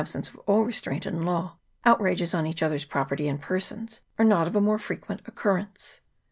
41 sence of all restraint and law, outrages on each other's property and persons are not of a more fre quent occurrence.